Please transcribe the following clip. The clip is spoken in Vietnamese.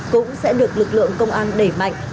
cũng sẽ được lực lượng công an đẩy mạnh